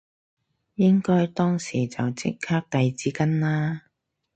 應該當時就即刻遞紙巾啦